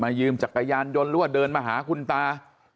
มายืมจากกายานยนต์ลั่วเดินมาหาคุณตา